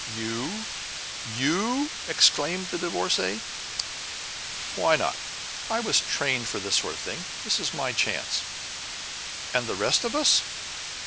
"You YOU?" exclaimed the Divorcée. "Why not? I was trained for this sort of thing. This is my chance." "And the rest of us?"